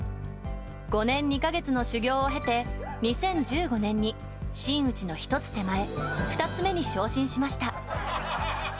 ５年２か月の修業を経て２０１５年に真打の１つ手前二ツ目に昇進しました。